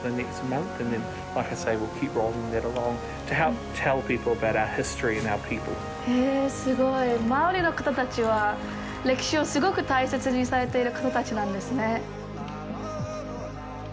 マオリの方たちは歴史をすごく大切にされてる方たちなんですね。